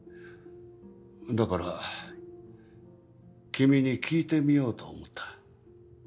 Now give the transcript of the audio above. だから君に聞いてみようと思った。